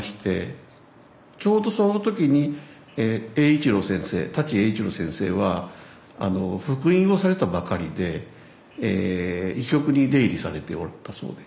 ちょうどその時に栄一郎先生舘栄一郎先生は復員をされたばかりで医局に出入りされておったそうで。